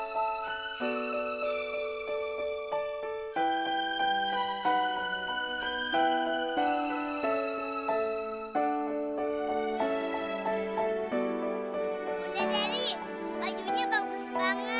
wadidari bayunya bagus sekali